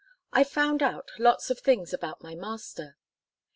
I found out lots of things about my master.